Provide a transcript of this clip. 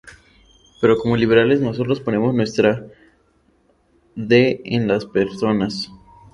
Pero como liberales, nosotros ponemos nuestra de en las personas.